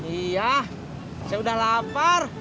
iya saya udah lapar